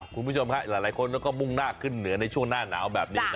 คุณผู้ชมหลายคนก็มุ่งหน้าขึ้นเหนือในช่วงหน้าหนาวแบบนี้